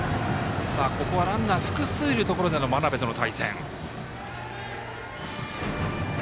ここはランナー複数いるところでの真鍋との対戦。